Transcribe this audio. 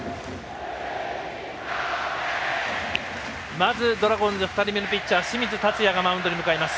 まずドラゴンズ２人目のピッチャー、清水達也がマウンドに向かいます。